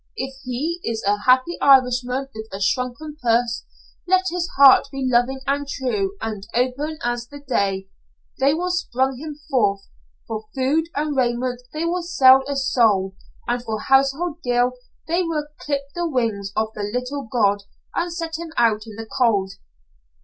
If he is a happy Irishman with a shrunken purse, let his heart be loving and true and open as the day, they will spurn him forth. For food and raiment will they sell a soul, and for household gear will they clip the wings of the little god, and set him out in the cold.